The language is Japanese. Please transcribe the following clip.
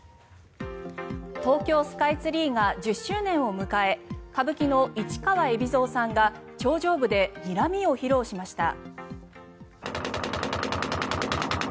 東京スカイツリーが１０周年を迎え歌舞伎の市川海老蔵さんが頂上部でにらみを披露しました。